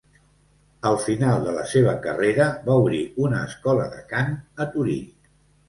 Al final de la seva carrera, va obrir una escola de cant a Torí.